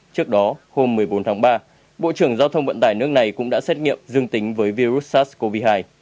trước đó hôm một mươi bốn tháng ba bộ trưởng giao thông vận tải nước này cũng đã xét nghiệm dương tính với virus sars cov hai